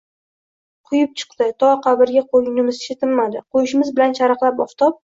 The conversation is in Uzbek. quyib chiqdi. To qabrga qo'ygunimizcha tinmadi. Qo'yishimiz bilan charaqlab oftob